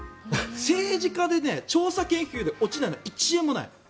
政治家で調査研究で落ちないのは１円もない。